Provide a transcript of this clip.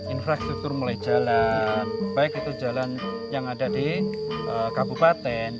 infrastruktur mulai jalan baik itu jalan yang ada di kabupaten